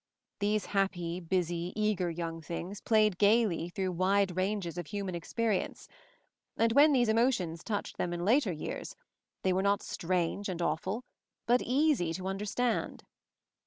Those happy, busy, eager young things played gaily through wide ranges of human experience ; and when these emotions touched them in later years, they were not strange and awful, but easy to understand.